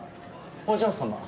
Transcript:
お嬢様。